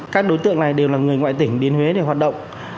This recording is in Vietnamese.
các đối tượng này đều là người ngoại tỉnh đến huế để hoạt động